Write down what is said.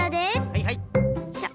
はいはい。